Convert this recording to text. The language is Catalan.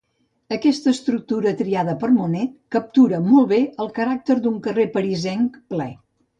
Aquesta estructura triada per Monet captura molt bé el caràcter d'un carrer parisenc ple.